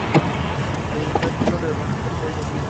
El impacto le rompió el cuello.